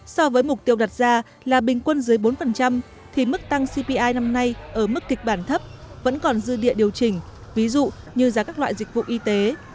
so với mục tiêu đặt ra là bình quân dưới bốn thì mức tăng cpi năm nay ở mức kịch bản thấp vẫn còn dư địa điều chỉnh ví dụ như giá các loại dịch vụ y tế